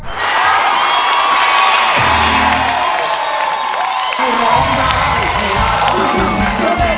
ร้องได้ให้ร้าน